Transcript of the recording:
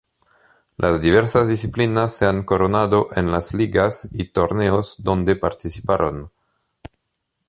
Las diversas disciplinas se han coronado en las ligas y torneos donde participaron.